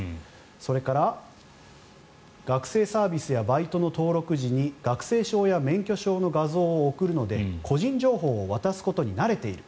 それから学生サービスやバイトの登録時に学生証や免許証の画像を送るので個人情報を渡すことに慣れている。